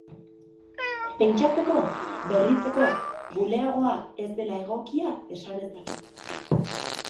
Pentsatzeko, berritzeko, bulegoa ez dela egokia esanez dator.